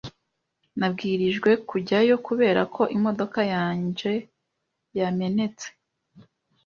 Nabwirijwe kujyayo kubera ko imodoka yanje yamenetse.